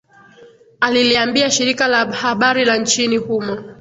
aliliambia shirika la habari la nchini humo